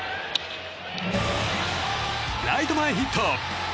ライト前ヒット。